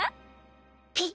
ピッ。